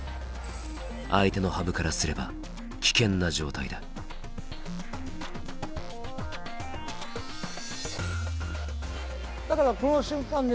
相手の羽生からすれば危険な状態だだからこの瞬間ですね